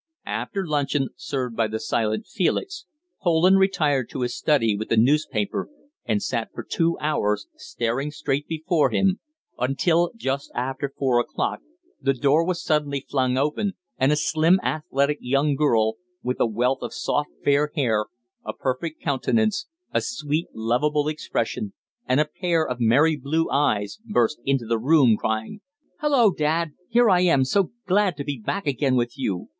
After luncheon, served by the silent Felix, Poland retired to his study with the newspaper, and sat for two hours, staring straight before him, until, just after four o'clock, the door was suddenly flung open, and a slim, athletic young girl, with a wealth of soft fair hair, a perfect countenance, a sweet, lovable expression, and a pair of merry blue eyes, burst into the room, crying "Hallo, dad! Here I am so glad to be back again with you!"